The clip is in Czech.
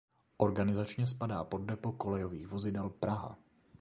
Organizačně spadá pod Depo kolejových vozidel Praha.